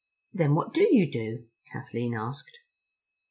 "Then what do you do?" Kathleen asked.